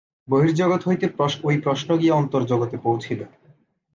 বহির্জগৎ হইতে ঐ প্রশ্ন গিয়া অন্তর্জগতে পৌঁছিল।